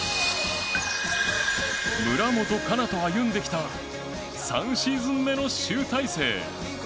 村元哉中と歩んできた３シーズン目の集大成。